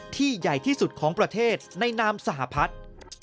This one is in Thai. ใหญ่ที่สุดของประเทศในนามสหพัฒน์